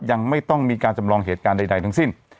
ยังไม่ต้องมีการจำลองเหตุการณ์ใดทั้งสิ้น